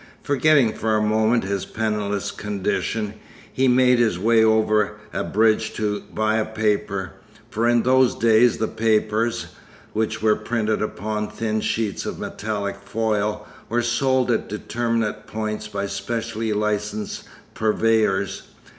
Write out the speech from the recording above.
Forgetting for a moment his penniless condition, he made his way over a bridge to buy a paper, for in those days the papers, which were printed upon thin sheets of metallic foil, were sold at determinate points by specially licensed purveyors.